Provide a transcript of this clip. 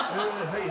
はい。